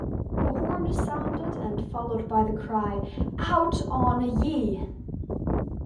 A horn is sounded and followed by the cry Out on ye!